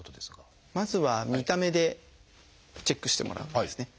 まずは見た目でチェックしてもらうんですね。